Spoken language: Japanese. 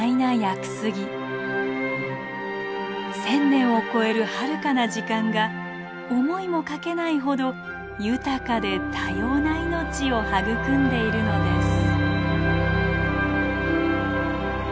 １，０００年を超えるはるかな時間が思いもかけないほど豊かで多様な命を育んでいるのです。